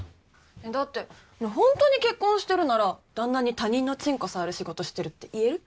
だってほんとに結婚してるなら旦那に他人のチンコ触る仕事してるって言える？